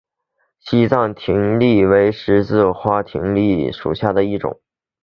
西藏葶苈为十字花科葶苈属下的一个种。